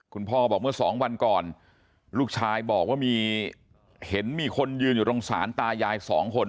คุณพ่อบอกเมื่อสองวันก่อนลูกชายบอกว่ามีเห็นมีคนยืนอยู่ตรงศาลตายายสองคน